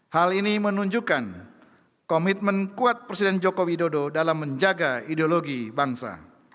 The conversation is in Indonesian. hal ini menunjukkan komitmen kuat presiden joko widodo dalam menjaga ideologi bangsa